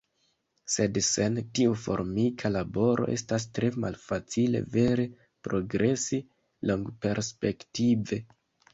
Sed sen tiu formika laboro, estas tre malfacile vere progresi longperspektive.